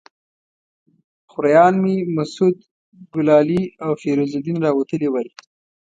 خوریان مې مسعود ګلالي او فیروز الدین راوتلي ول.